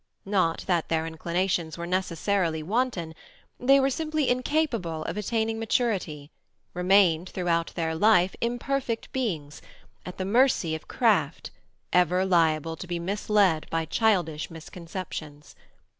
Not that their inclinations were necessarily wanton; they were simply incapable of attaining maturity, remained throughout their life imperfect beings, at the mercy of craft, ever liable to be misled by childish misconceptions.